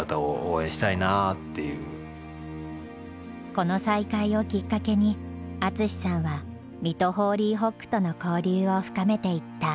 この再会をきっかけに淳さんは水戸ホーリーホックとの交流を深めていった。